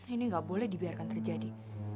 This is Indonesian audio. ini nggak boleh dibiarkan terjadi